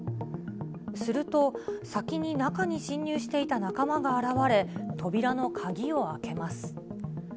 すると、先に中に侵入していた仲間が現れ、扉の鍵を開けます。